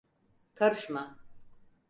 Karışma!